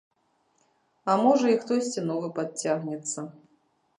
А можа і хтосьці новы падцягнецца.